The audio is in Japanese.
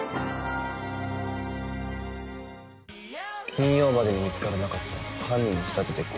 金曜までに見つからなかったら犯人に仕立てて殺す。